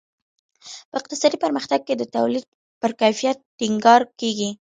په اقتصادي پرمختګ کې د تولید پر کیفیت ټینګار کیږي.